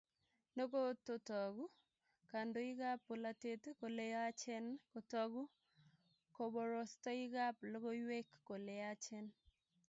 Nekototoku kandoikab bolatet kole yachen kotoku koborostoikab logoiwek kole yachen